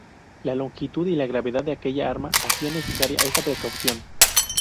La longitud y la gravedad de aquella arma hacían necesaria esta precaución.